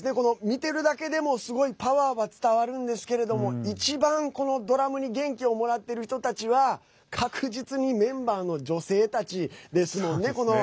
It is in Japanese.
見てるだけでも、すごいパワーは伝わるんですけれども一番、このドラムに元気をもらってる人たちは確実にメンバーの女性たちですもんね。